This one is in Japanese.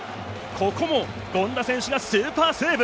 ここも権田選手がスーパーセーブ。